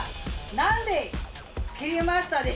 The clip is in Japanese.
何で？